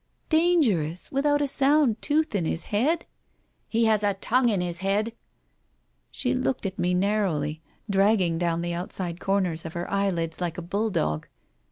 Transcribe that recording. " Dangerous without a sound tooth in his head ?"" He has a tongue in his head " She looked at me narrowly, dragging down the outside corners of her eyelids like a bulldog.